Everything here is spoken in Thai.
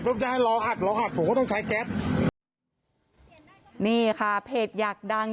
จะให้รอหัดรอหัดผมก็ต้องใช้แก๊สนี่ค่ะเพจอยากดัง